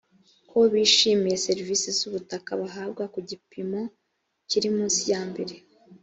ko bishimiye serivisi z ubutaka bahabwa ku gipimo kiri munsi ya mbere